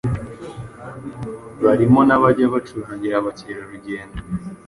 barimo n’abajya bacurangira abakerarugendo